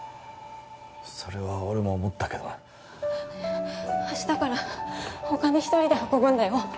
それは俺も思ったけど明日からお金一人で運ぶんだよ